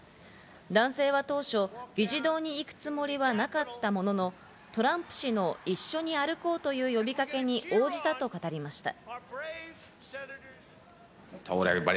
男性は当初、議事堂に行くつもりはなかったものの、トランプ氏の一緒に歩こうという呼びかけに応じたと語りました。